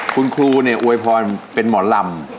คุณครูเนี่ยอวยพรเป็นหมอลำ